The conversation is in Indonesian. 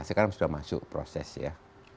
sekarang sudah masuk proses ya